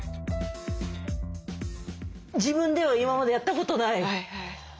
自分では今までやったことない感じ。